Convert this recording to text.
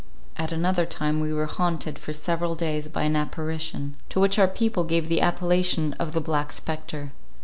At another time we were haunted for several days by an apparition, to which our people gave the appellation of the Black Spectre.